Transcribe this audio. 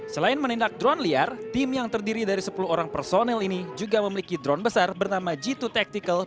selain menindak drone liar tim yang terdiri dari sepuluh orang personel ini juga memiliki drone besar bernama g dua tactical